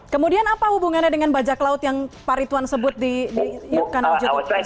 kemudian apa hubungannya dengan bajak laut yang pak rituan sebut di kanan judulnya